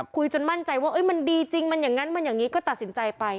คุยจนมั่นใจว่ามันดีจริงมันอย่างนั้นมันอย่างนี้ก็ตัดสินใจไป